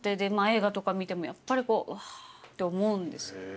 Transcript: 映画とか見てもやっぱりわぁって思うんです。